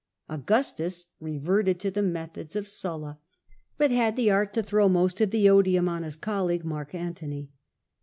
Augustus reverted to the methods of Sulla, but had the art to throw most of the odium on his colleague, Mark Antony.